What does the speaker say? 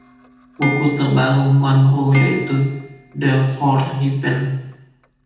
Buku terbaru Munroe yaitu Therefore Repent!